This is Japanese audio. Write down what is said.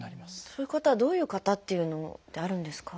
そういう方はどういう方っていうのってあるんですか？